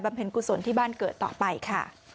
เพลงกุศลที่บ้านเกิดต่อไปค่ะ